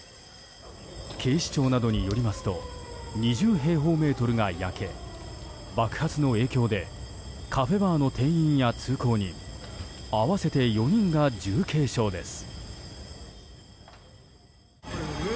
警視庁などによりますと２０平方メートルが焼け爆発の影響でカフェバーの店員や通行人合わせて４人が重軽傷です。